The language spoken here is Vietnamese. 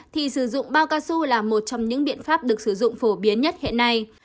thì sử dụng bao cao su là một trong những biện pháp được sử dụng phổ biến nhất hiện nay